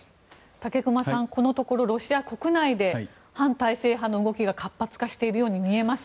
武隈さん、このところロシア国内で反体制派の動きが活発化しているように見えます。